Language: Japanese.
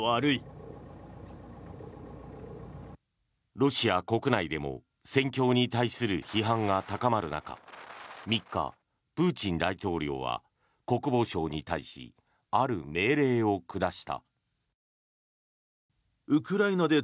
ロシア国内でも戦況に対する批判が高まる中３日、プーチン大統領は国防省に対しある命令を下した。